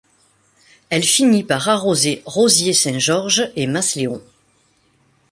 Elle finit par arroser Roziers-Saint-Georges et Masléon.